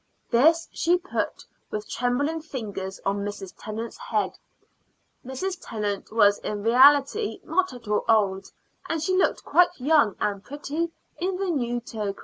This she put with trembling fingers on Mrs. Tennant's head. Mrs. Tennant was in reality not at all old, and she looked quite young and pretty in the new toque.